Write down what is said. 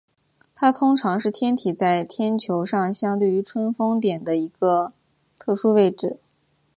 它通常是天体在天球上相对于春分点的一个特殊位置。